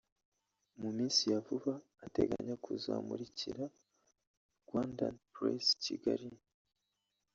mu minsi ya vuba ateganya kuzamurikira Rwandan Praise i Kigali